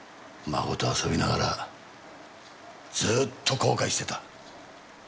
孫と遊びながらずーっと後悔してた。